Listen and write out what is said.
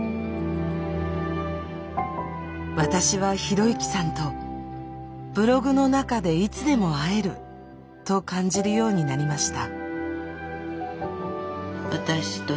私は啓之さんと「ブログの中でいつでも会える」と感じるようになりました。